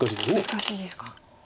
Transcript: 難しいですか。